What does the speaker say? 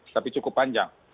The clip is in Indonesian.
tapi cukup panjang